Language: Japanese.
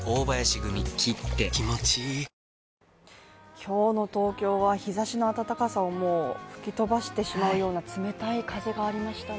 今日の東京は日ざしの暖かさを吹き飛ばしてしまうような冷たい風がありましたね。